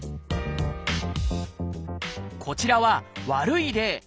こちらは悪い例。